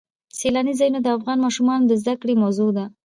سیلاني ځایونه د افغان ماشومانو د زده کړې موضوع ده.